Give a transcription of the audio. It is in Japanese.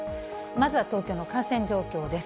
まずは東京の感染状況です。